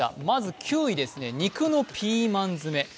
まず９位ですね、肉のピーマン詰め。